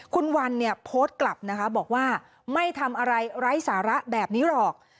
คุณวันเนี่ยโพสต์กลับนะคะบอกว่าไม่ทำอะไรไร้สาระแบบนี้หรอก